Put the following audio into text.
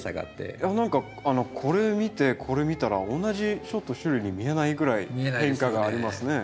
いや何かこれ見てこれ見たら同じ種類に見えないぐらい変化がありますね。